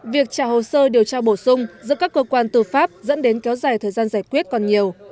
việc trả hồ sơ điều tra bổ sung giữa các cơ quan tư pháp dẫn đến kéo dài thời gian giải quyết còn nhiều